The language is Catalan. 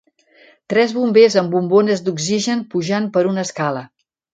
Tres bombers amb bombones d'oxigen pujant per una escala.